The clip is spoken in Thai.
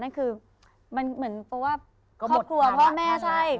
นั่นคือมันเหมือนเพราะว่าครอบครัวพ่อแม่ใช่